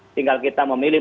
tinggal kita memilih